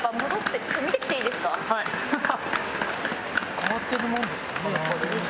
変わってるもんですかね？